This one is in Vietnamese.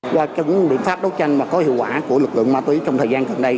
qua những biện pháp đấu tranh có hiệu quả của lực lượng ma túy trong thời gian gần đây